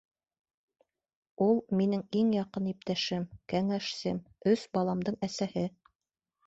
Ул — минең иң яҡын иптәшем, кәңәшсем, өс баламдың әсәһе.